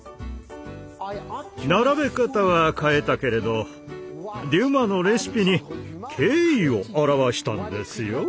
並べ方は変えたけれどデュマのレシピに敬意を表したんですよ。